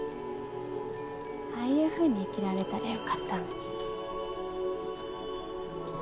ああいうふうに生きられたらよかったのに。